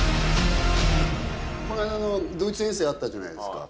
この間のドイツ遠征あったじゃないですか。